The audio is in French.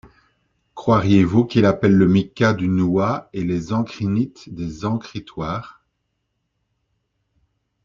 Croiriez-vous qu’il appelle le mica du nouhat et les encrinites des encritoires ?